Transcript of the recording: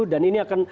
dan ini akan